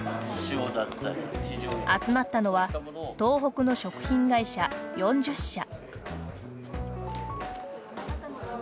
集まったのは東北の食品会社４０社。